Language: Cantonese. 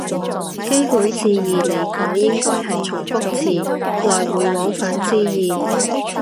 基本字義嚟講應該係從復字，來回往返之意